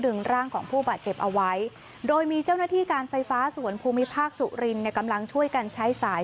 ร่างของผู้บาดเจ็บเอาไว้โดยมีเจ้าหน้าที่การไฟฟ้าส่วนภูมิภาคสุรินเนี่ยกำลังช่วยกันใช้สาย